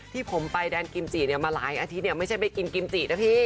ที่ผมไปแดนกิมจิมาหลายอาทิตย์ไม่ใช่ไปกินกิมจินะพี่